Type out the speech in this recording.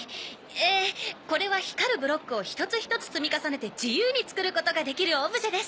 えこれは光るブロックを１つ１つ積み重ねて自由に作ることができるオブジェです。